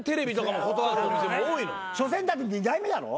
しょせんだって２代目だろ？